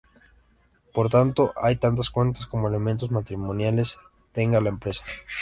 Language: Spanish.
Por tanto, hay tantas cuentas como elementos patrimoniales tenga la empresa.